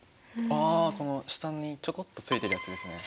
あこの下にちょこっとついてるやつですね。